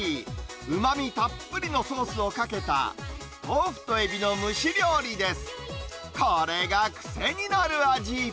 うまみたっぷりのソースをかけた豆腐とエビの蒸し料理です。